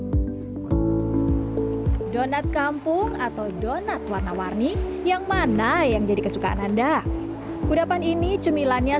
hai donat kampung atau donat warna warni yang mana yang jadi kesukaan anda kudapan ini cemilannya